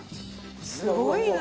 すごいな！